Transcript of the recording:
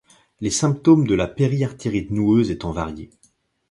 Les symptômes de la périartérite noueuse étant variés.